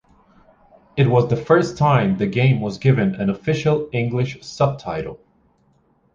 It was the first time the game was given an official English subtitle.